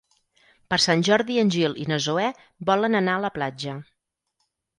Per Sant Jordi en Gil i na Zoè volen anar a la platja.